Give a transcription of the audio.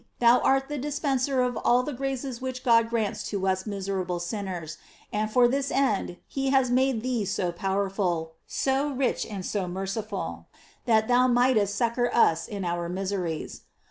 Thou art the dispenser of all the graces which God grants to us miserable sinners, and for this end he has made thee so powerful, so rich, and so merciful, that thou mightest succor us in our miseries.